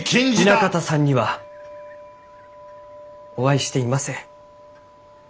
南方さんにはお会いしていません。